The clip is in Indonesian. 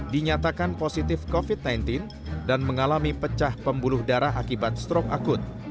dinyatakan positif covid sembilan belas dan mengalami pecah pembuluh darah akibat strok akut